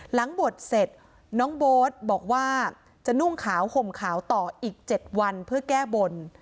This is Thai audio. หลังบวชเสร็จน้องโบ๊ทบอกว่าจะนุ่งขาวห่มขาวต่ออีก๗วันเพื่อแก้บน